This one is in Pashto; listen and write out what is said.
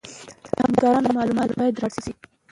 د همکارانو معلومات باید راټول شي.